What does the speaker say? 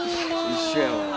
一緒やわ。